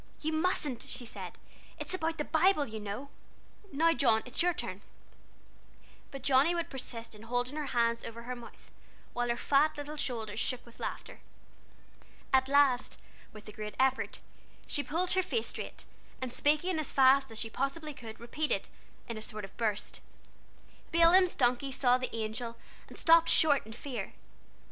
"You mustn't," she said; "it's about the Bible, you know. Now John, it's your turn." But Johnnie would persist in holding her hands over her mouth, while her fat little shoulders shook with laughter. At last, with a great effort, she pulled her face straight, and speaking as fast as she possibly could, repeated, in a sort of burst: "Balaam's donkey saw the Angel, And stopped short in fear.